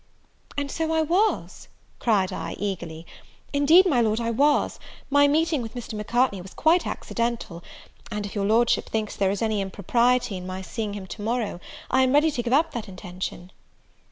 "And so I was!" cried I, eagerly, "indeed, my Lord, I was! My meeting with Mr. Macartney was quite accidental; and, if your Lordship thinks there is any impropriety in my seeing him to morrow, I am ready to give up that intention."